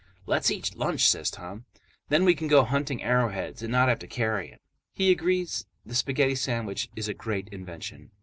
"Let's eat lunch," says Tom. "Then we can go hunting arrowheads and not have to carry it." He agrees the spaghetti sandwich is a great invention.